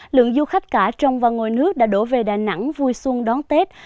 lượng du khách cả trong và ngoài nước đã đổ về đà nẵng vui xuân đón tết